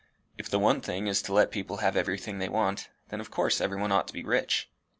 If the one thing is to let people have everything they want, then of course everyone ought to be rich.